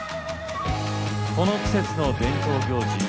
この季節の伝統行事